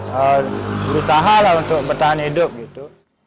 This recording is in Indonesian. berusaha lah untuk bertahan hidup gitu